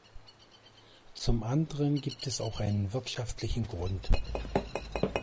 Zum anderen gibt es auch einen wirtschaftlichen Grund.